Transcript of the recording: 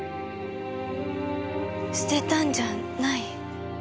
捨てたんじゃない？